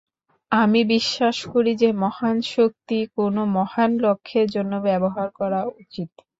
আমি বিশ্বাস করি যে মহান শক্তি কোনো মহান লক্ষ্যের জন্য ব্যবহার করা উচিত।